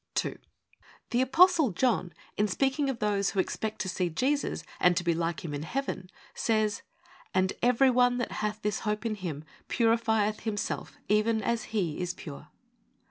2. The Apostle John, in speaking of those who expect to see Jesus, and to be like Him in Heaven, says, 'And every one that hath this hope in Him, purifieth him self, even as He is pure.